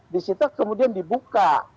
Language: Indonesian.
disita kemudian dibuka